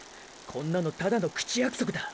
こんなのただの口約束だ。